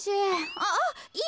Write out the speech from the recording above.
あっいえ